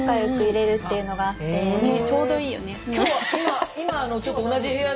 ちょうどいいよね。